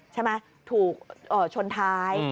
ใช่ไหมถูกชนท้าย